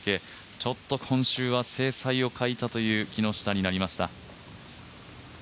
ちょっと今週は精彩を欠いたという木下となりました。